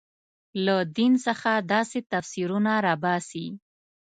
له دین څخه داسې تفسیرونه راباسي.